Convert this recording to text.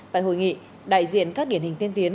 tại hội nghị đại diện các điển hình tiên tiến